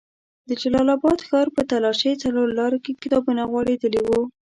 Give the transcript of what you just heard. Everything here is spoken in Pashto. د جلال اباد ښار په تالاشۍ څلور لاري کې کتابونه غوړېدلي وو.